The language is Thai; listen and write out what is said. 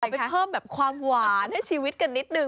ไปเพิ่มแบบความหวานให้ชีวิตกันนิดนึง